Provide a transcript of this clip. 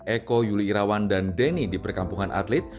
eko yuli irawan dan denny di perkampungan atlet